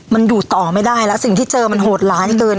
มันอยู่ต่อไม่ได้แล้วสิ่งที่เจอมันโหดร้ายเกิน